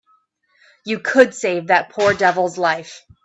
You could save that poor devil's life.